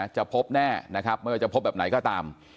จะพบแน่นะครับไม่ว่าจะพบแบบไหนก็ตาม